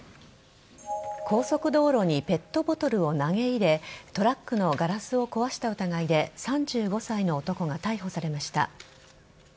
高速道路にペットボトルを投げ入れトラックのガラスを壊した疑いで３５歳の男が逮捕されました。